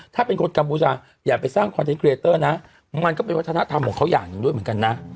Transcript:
ถ้าเป็นคนกัมพูชาอย่าไปสร้างคอนเทนเรเตอร์นะมันก็เป็นวัฒนธรรมของเขาอย่างหนึ่งด้วยเหมือนกันนะ